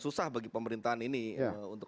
susah bagi pemerintahan ini untuk